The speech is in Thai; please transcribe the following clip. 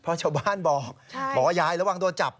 เพราะชาวบ้านบอกบอกว่ายายระวังโดนจับ